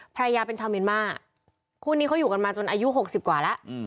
ภรรยาเป็นชาวเมียนมาร์คู่นี้เขาอยู่กันมาจนอายุ๖๐กว่าแล้ว